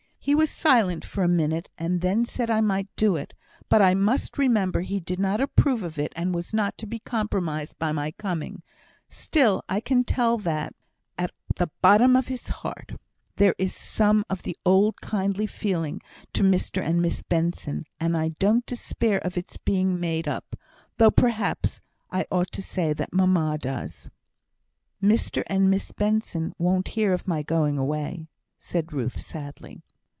He was silent for a minute, and then said I might do it, but I must remember he did not approve of it, and was not to be compromised by my coming; still I can tell that, at the bottom of his heart, there is some of the old kindly feeling to Mr and Miss Benson, and I don't despair of its all being made up, though, perhaps, I ought to say that mamma does." "Mr and Miss Benson won't hear of my going away," said Ruth, sadly.